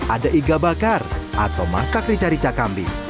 ada iga bakar atau masak rica rica kambing